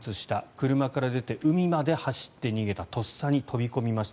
車から出て海まで走って逃げたとっさに飛び込みました。